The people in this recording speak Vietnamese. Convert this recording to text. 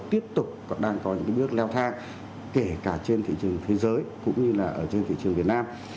tiếp tục đang có những bước leo thang kể cả trên thị trường thế giới cũng như là ở trên thị trường việt nam